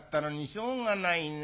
しょうがないね。